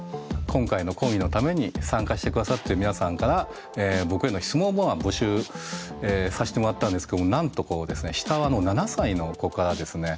今回の講義のために参加して下さってる皆さんから僕への質問を募集させてもらったんですけどなんと下は７歳の子からですね